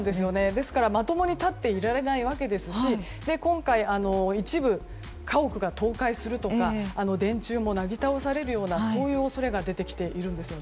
ですから、まともに立っていられないわけですし今回、一部家屋が倒壊するとか電柱もなぎ倒されるようなそういう恐れが出てきているんです。